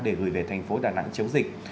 để gửi về thành phố đà nẵng chống dịch